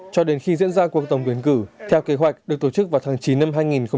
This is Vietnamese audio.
cho đến khi diễn ra cuộc tổng quyền cử theo kế hoạch được tổ chức vào tháng chín năm hai nghìn một mươi tám